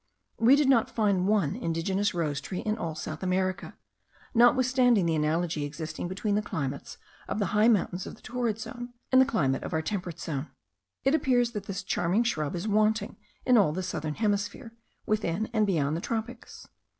We did not find one indigenous rose tree in all South America, notwithstanding the analogy existing between the climates of the high mountains of the torrid zone and the climate of our temperate zone. It appears that this charming shrub is wanting in all the southern hemisphere, within and beyond the tropics.